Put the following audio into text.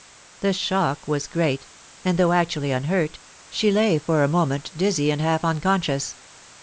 The shock was great, and, though actually unhurt, she lay for a moment dizzy and half unconscious.